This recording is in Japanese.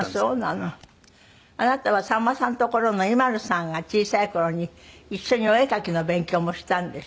あなたはさんまさんところのＩＭＡＬＵさんが小さい頃に一緒にお絵描きの勉強もしたんですって？